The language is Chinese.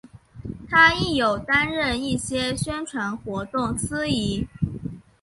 她亦有担任一些宣传活动司仪。